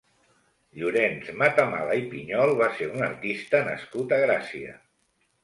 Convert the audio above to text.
Llorenç Matamala i Piñol va ser un artista nascut a Gràcia.